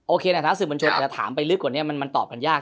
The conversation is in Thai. โอเคนะทัศนสิบบัญชบแต่ถามไปลึกกว่านี้มันตอบกันยาก